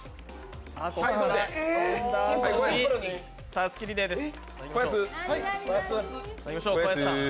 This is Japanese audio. たすきリレーです。